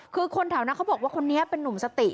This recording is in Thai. คือคนแถวนั้นเขาบอกว่าคนนี้เป็นนุ่มสติ